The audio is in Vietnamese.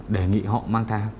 đề nghị họ mang thai